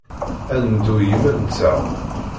Ad neddu i yiman-nteɣ.